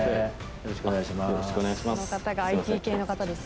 よろしくお願いします。